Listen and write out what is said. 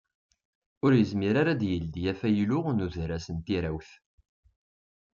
Ur yezmir ara ad d-yeldi afaylu n udras n tirawt.